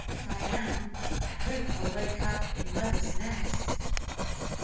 "If I am, I hope I'll wake up in Mother's nest!"